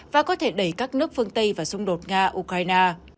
và có thể đẩy các nước phương tây vào xung đột nga ukraine